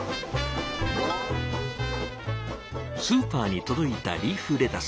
スーパーに届いたリーフレタス。